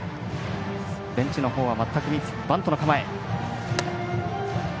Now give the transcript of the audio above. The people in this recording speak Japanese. ベンチのほうは全く見ずにバントの構え。